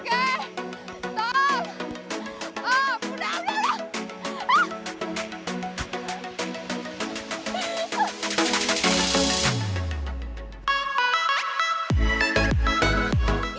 oh mudah mudah mudah